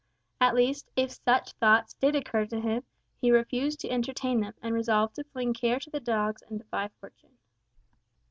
At least, if such thoughts did occur to him, he refused to entertain them, and resolved to fling care to the dogs and defy fortune.